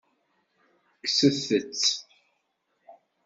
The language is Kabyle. Kkset-tt.